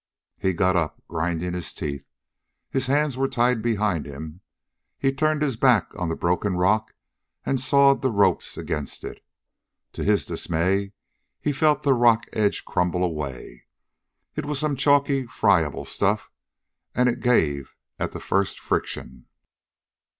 He got up, grinding his teeth. His hands were tied behind him. He turned his back on the broken rock and sawed the ropes against it. To his dismay he felt the rock edge crumble away. It was some chalky, friable stuff, and it gave at the first friction.